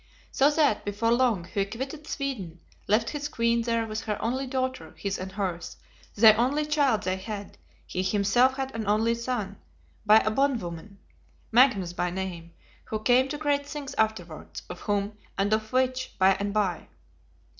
So that, before long, he quitted Sweden; left his queen there with her only daughter, his and hers, the only child they had; he himself had an only son, "by a bondwoman," Magnus by name, who came to great things afterwards; of whom, and of which, by and by.